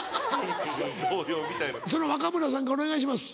その若村さんからお願いします。